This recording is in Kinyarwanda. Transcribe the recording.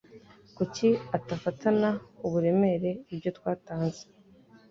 Kuki atafatana uburemere ibyo twatanze?